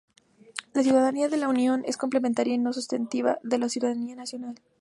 La ciudadanía de la Unión es complementaria y no sustitutiva de la ciudadanía nacional.